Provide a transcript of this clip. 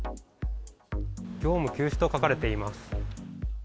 業務休止と書かれています。